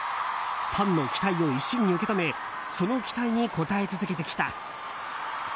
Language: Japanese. ファンの期待を一身に受け止めその期待に応え続けてきた。